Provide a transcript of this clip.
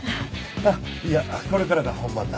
いやこれからが本番だ。